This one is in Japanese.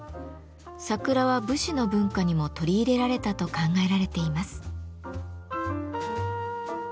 桜は武士の文化にも取り入れられたと考えられています。